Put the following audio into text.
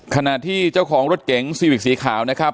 ขณะที่เจ้าของรถเก๋งซีวิกสีขาวนะครับ